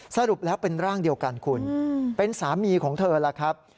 สรุปแล้วเป็นร่างเดียวกันคุณเป็นสามีของเธอล่ะครับ